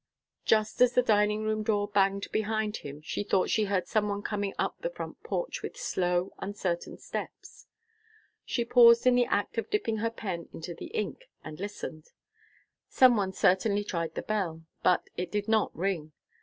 Just as the dining room door banged behind him, she thought she heard some one coming up on the front porch with slow, uncertain steps. She paused in the act of dipping her pen into the ink, and listened. Some one certainly tried the bell, but it did not ring.